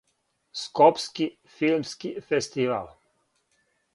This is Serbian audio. Скопски филмски фестивал.